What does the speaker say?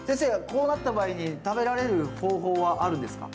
こうなった場合に食べられる方法はあるんですか？